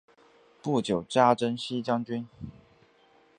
不久加征西将军。